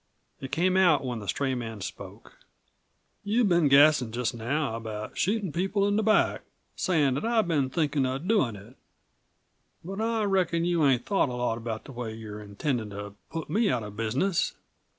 It came out when the stray man spoke. "You've been gassin' just now about shootin' people in the back sayin' that I've been thinkin' of doin' it. But I reckon you ain't thought a lot about the way you're intendin' to put me out of business.